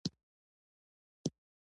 ښه چلند د ژوند اساس دی.